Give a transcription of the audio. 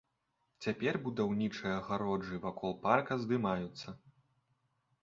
Цяпер будаўнічыя агароджы вакол парка здымаюцца.